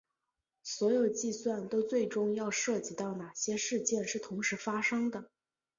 所有计算都最终要涉及到哪些事件是同时发生的。